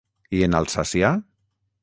I en alsacià?